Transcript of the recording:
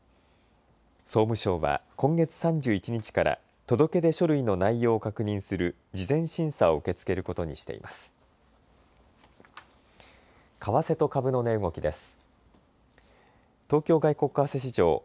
総務省は今月３１日から届け出書類の内容を確認する事前審査を受け付けることにしています。